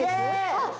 あっ！